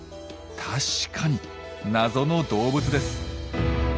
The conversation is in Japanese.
確かに謎の動物です。